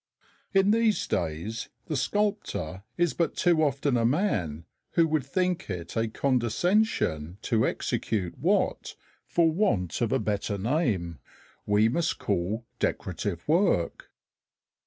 In these days the "sculptor" is but too often a man who would think it a condescension to execute what, for want of a better name, we must call decorative work.